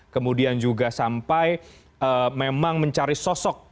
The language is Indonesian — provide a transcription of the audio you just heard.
kemudian juga sampai memang mencari sosok